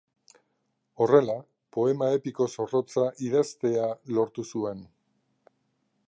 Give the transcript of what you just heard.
Horrela, poema epiko zorrotza idaztea lortu zuen.